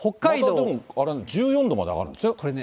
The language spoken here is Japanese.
また１４度まで上がるんですね。